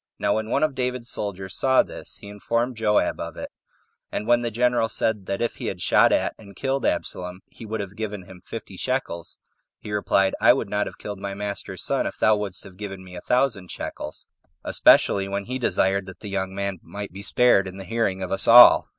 Now when one of David's soldiers saw this, he informed Joab of it; and when the general said, that if he had shot at and killed Absalom, he would have given him fifty shekels, he replied, "I would not have killed my master's son if thou wouldst have given me a thousand shekels, especially when he desired that the young man might be spared in the hearing of us all."